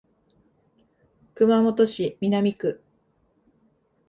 熊本市南区